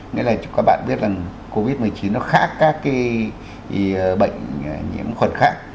nghĩa là các bạn biết là covid một mươi chín nó khác các cái bệnh nhiễm khuẩn khác